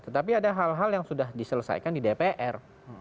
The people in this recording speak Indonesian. tetapi ada hal hal yang sudah diselesaikan di dpr